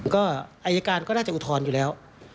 ก็อายการก็น่าจะอุทธรณ์อยู่แล้ว